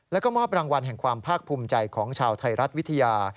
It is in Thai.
แล้วก็มอบรางวัลแห่งความภาคภูมิใจของชาวไทยรัฐวิทยา